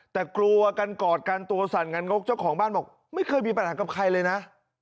แต่กลัวกันกอดกันตัวสั่นงานงกเจ้าของบ้านบอกไม่เคยมีปัญหากับใครเลยนะ